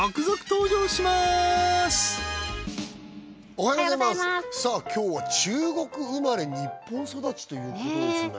おはようございますさあ今日は「中国生まれ日本育ち」ということですね